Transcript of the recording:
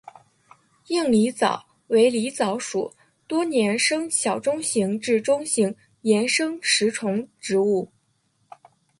硬狸藻为狸藻属多年生小型至中型岩生食虫植物。